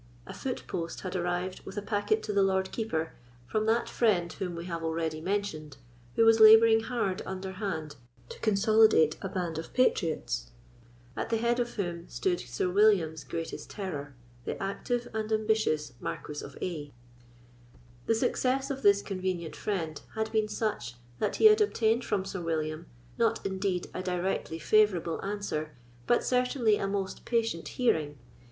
A foot post had arrived with a packet to the Lord Keeper from that friend whom we have already mentioned, who was labouring hard underhand to consolidate a band of patriots, at the head of whom stood Sir William's greatest terror, the active and ambitious Marquis of A——. The success of this convenient friend had been such, that he had obtained from Sir William, not indeed a directly favourable answer, but certainly a most patient hearing.